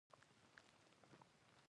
حجروی غشا د حجرې پرده ده